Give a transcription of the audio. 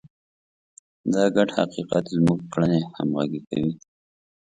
دا ګډ حقیقت زموږ کړنې همغږې کوي.